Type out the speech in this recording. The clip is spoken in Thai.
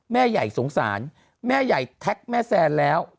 แม่ใหญ่สงสารแม่ใหญ่แท็กแม่แซนแล้ว